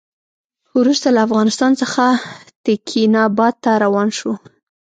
وروسته له افغانستان څخه تکیناباد ته روان شو.